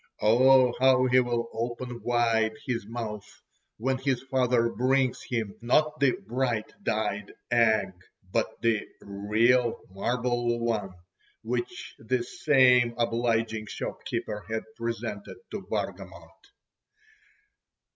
Oh, how he'll open wide his mouth when his father brings him, not the bright dyed egg, but the real marble one, which the same obliging shop keeper had presented to Bargamot!